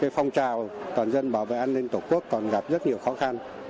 phong trào toàn dân bảo vệ an ninh tổ quốc còn gặp rất nhiều khó khăn